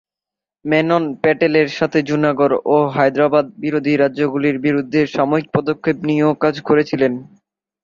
মেনন প্যাটেল এর সাথে জুনাগড় ও হায়দরাবাদ বিরোধী রাজ্যগুলির বিরুদ্ধে সামরিক পদক্ষেপ নিয়েও কাজ করেছিলেন।